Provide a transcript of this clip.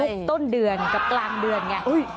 ทุกต้นเดือนกับปลางเดือน